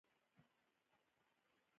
میلمه پالنه زموږ افغانانو یو ښه رواج دی